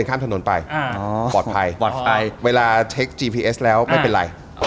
กระเทียวใช่มะ